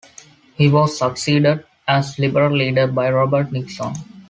He was succeeded as Liberal leader by Robert Nixon.